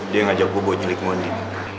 dia yang ngajak gue buat nyelik mondi